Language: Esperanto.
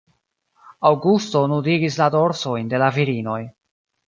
Aŭgusto nudigis la dorsojn de la virinoj.